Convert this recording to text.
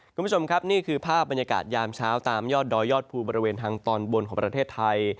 คุณผู้ชมครับนี่คือภาพบรรยากาศยามเช้าตามยอดดอยยอดภูบริเวณทางตอนบนของประเทศไทย